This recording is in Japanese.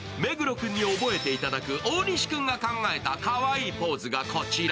君に覚えていただく、大西君が考えたかわいいポーズがこちら。